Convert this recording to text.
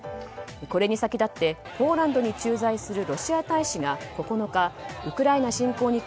これに先立ってポーランドに駐在するロシア大使が９日ウクライナ侵攻に